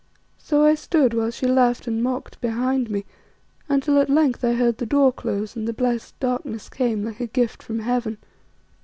So I stood while she laughed and mocked behind me until at length I heard the door close and the blessed darkness came like a gift from Heaven.